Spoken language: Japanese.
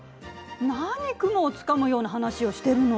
何雲をつかむような話をしてるの。